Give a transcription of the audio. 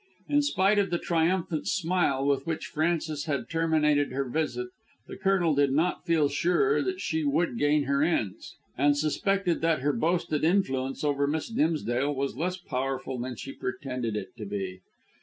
In spite of the triumphant smile with which Frances had terminated her visit, the Colonel did not feel sure that she would gain her ends, and suspected that her boasted influence over Miss Dimsdale was less powerful than she pretended it to be.